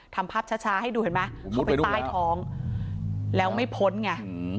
ทำภาพช้าให้ดูเห็นไหมเข้าไปใต้ท้องแล้วไม่พ้นไง